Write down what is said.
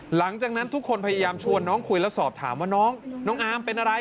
หลังจากนั้นทุกคนพยายามชวนน้องคุยแล้วสอบถามว่าน้องน้องอาร์มเป็นอะไร